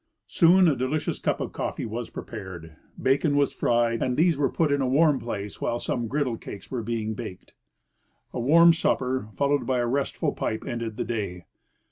Soon a delicious cup of coftee Avas prepared, bacon was fried, and these were put in a warm place while aome griddle cakes were being baked. A warm supper, followed by a restful pipe, ended the day.